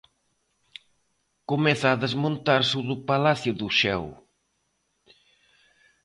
Comeza a desmontarse o do Palacio do Xeo.